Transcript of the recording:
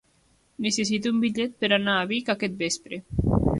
Necessito un bitllet per anar a Vic aquest vespre.